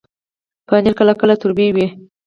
پنېر کله کله تریو وي.